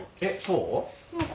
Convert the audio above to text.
そう？